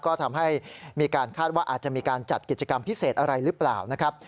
ก็ทำให้มีการคาดว่าอาจจะมีการจัดกิจกรรมพิเศษอะไรหรือเปล่านะครับ